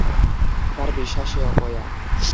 তার বিশ্বাস সে অপয়া।